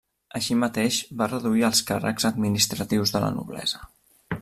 Així mateix va reduir els càrrecs administratius de la noblesa.